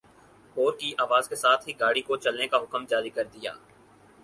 اور کی آواز کے ساتھ ہی گاڑی کو چلنے کا حکم جاری کر دیا ۔